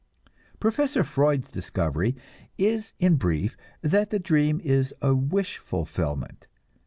Professor Freud's discovery is in brief that the dream is a wish fulfillment.